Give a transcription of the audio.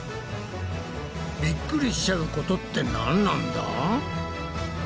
ビックリしちゃうことって何なんだ？